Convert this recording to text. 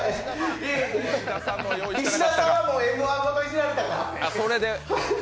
石田さんは「Ｍ−１」ごといじられたから。